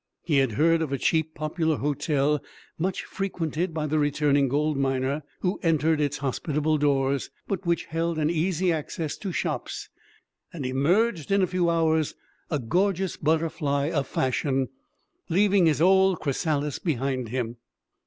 He had heard of a cheap popular hotel, much frequented by the returning gold miner, who entered its hospitable doors which held an easy access to shops and emerged in a few hours a gorgeous butterfly of fashion, leaving his old chrysalis behind him.